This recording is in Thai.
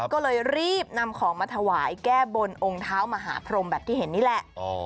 ก็เลยรีบนำของมาถวายแก้บนองค์เท้ามหาพรมแบบที่เห็นนี่แหละ